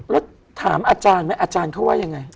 แล้วถามอาจารย์อาจารย์เขาว่าอย่างไร